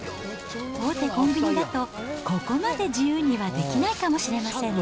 大手コンビニだと、ここまで自由にはできないかもしれませんね。